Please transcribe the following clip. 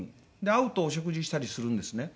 会うとお食事したりするんですね。